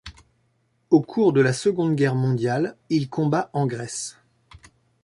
Au cours de la Seconde Guerre mondiale, il combat en Grèce.